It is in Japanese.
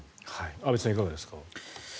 安部さん、いかがですか。